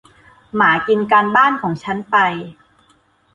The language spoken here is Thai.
หมากินการบ้านของฉันไป